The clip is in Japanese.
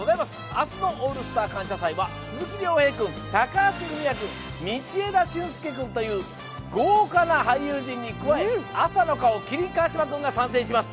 明日の「オールスター感謝祭」は鈴木亮平君、高橋文哉君、道枝駿佑君という豪華な俳優陣に加え、朝の顔、麒麟・川島君が参戦します。